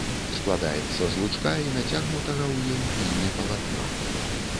Складаецца з лучка і нацягнутага у ім пільны палатна.